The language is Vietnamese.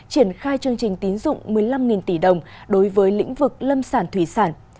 triển khai chương trình tín dụng một mươi năm tỷ đồng đối với lĩnh vực lâm sản thủy sản